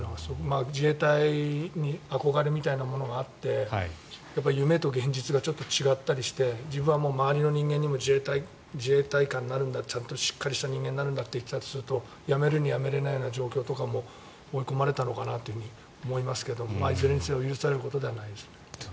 自衛隊に憧れみたいなものがあって夢と現実がちょっと違ったりして自分は周りの人間にも自衛官になるんだちゃんとしっかりした人間になるんだって言ってたとすると辞めるに辞められない状況に追い込まれたのかなと思いますけどいずれにせよ許されることではないですね。